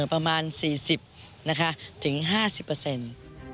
ประมาณสี่สิบนะคะถึงห้าสิบเปอร์เซ็นต์